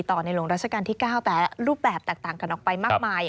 ในหลวงราชการที่๙แต่รูปแบบแตกต่างกันออกไปมากมาย